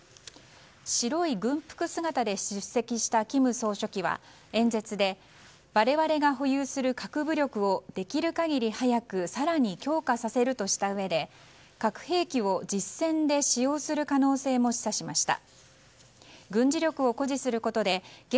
白い軍服姿で出席した金総書記は演説で、我々が保有する核武力をできる限り早く更に強化させるとしたうえで核兵器を実戦で使用する可能性も示唆しました。